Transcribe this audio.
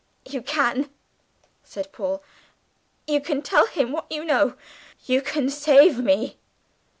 "You can," said Paul; "you can tell him what you know. You can save me."